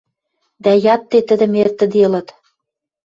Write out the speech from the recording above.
Дӓ ядде тӹдӹм эртӹделыт.